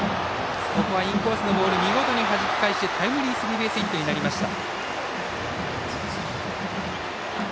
ここはインコースのボールを見事にはじき返してタイムリースリーベースヒットになりました。